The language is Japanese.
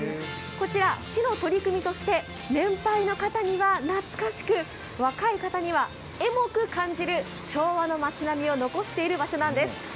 こちら市の取り組みとして年配の方には懐かしく、若い方にはエモく感じる昭和の町並みを残してる場所なんです。